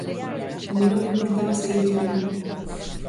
A min non me importaba saír espida.